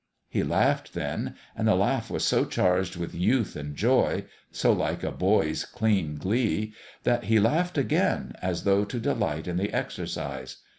He laughed then; and the laugh was so charged with youth and joy so like a boy's clean glee that he laughed again, as though to delight in the exercise.